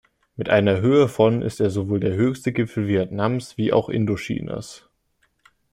Mit einer Höhe von ist er sowohl der höchste Gipfel Vietnams wie auch Indochinas.